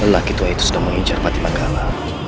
lagi tua itu sudah mengincar patimangkala